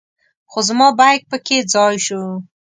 خو زما بیک په کې ځای شو.